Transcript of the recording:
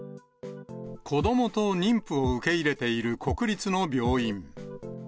子どもと妊婦を受け入れている国立の病院。